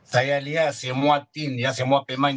saya lihat semua tim ya semua pemain